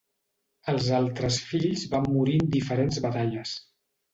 Els altres fills van morir en diferents batalles.